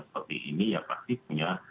seperti ini ya pasti punya